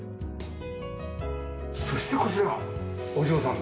そしてこちらがお嬢さんの。